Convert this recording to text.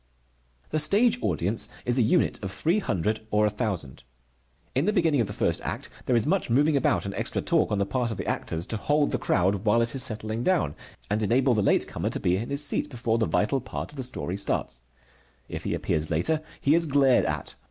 The stage audience is a unit of three hundred or a thousand. In the beginning of the first act there is much moving about and extra talk on the part of the actors, to hold the crowd while it is settling down, and enable the late comer to be in his seat before the vital part of the story starts. If he appears later, he is glared at.